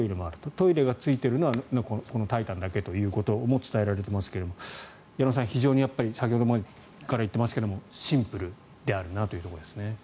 トイレがついているのはこの「タイタン」だけということも伝えられていますが矢野さん、非常に先ほどから言っていますがシンプルであるなというところですね。